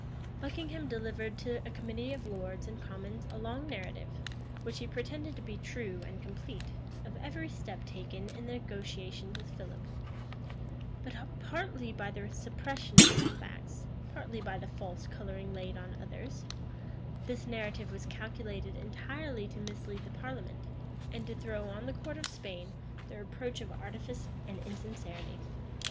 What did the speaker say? Buckingham delivered to a committee of lords and commons a long narrative, which he pretended to be true and complete, of every step taken in the negotiations with Philip: but, partly by the suppression of some facts, partly by the false coloring laid on others, this narrative was calculated entirely to mislead the parliament, and to throw on the court of Spain the reproach of artifice and insincerity.